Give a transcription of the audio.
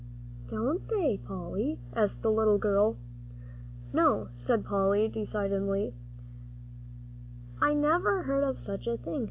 "Don't they, Polly?" asked the little girl. "No," said Polly, decidedly, "I never heard of such a thing.